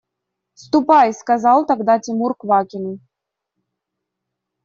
– Ступай, – сказал тогда Тимур Квакину.